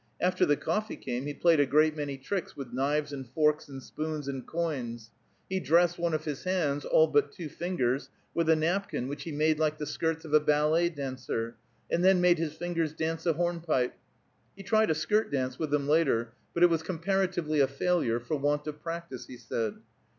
After the coffee came he played a great many tricks with knives and forks and spoons, and coins. He dressed one of his hands, all but two fingers, with a napkin which he made like the skirts of a ballet dancer, and then made his fingers dance a hornpipe. He tried a skirt dance with them later, but it was comparatively a failure, for want of practice, he said.